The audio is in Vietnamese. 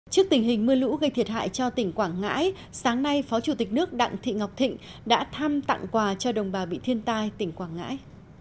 trước tình hình mưa lũ gây thiệt hại cho tỉnh quảng ngãi sáng nay phó chủ tịch nước đặng thị ngọc thịnh đã thăm tặng quà cho đồng bào bị thiên tai tỉnh quảng ngãi